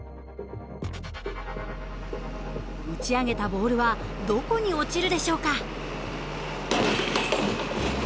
打ち上げたボールはどこに落ちるでしょうか？